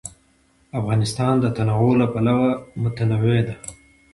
افغانستان د تنوع له پلوه متنوع دی.